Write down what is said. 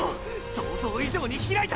想像以上にひらいた！！